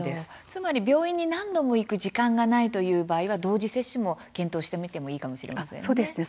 つまり、病院に何度も行く時間がないという場合は同時接種も検討してみてもいいかもしれませんね。